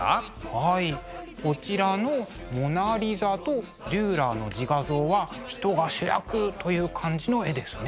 はいこちらの「モナ・リザ」とデューラーの「自画像」は人が主役という感じの絵ですね。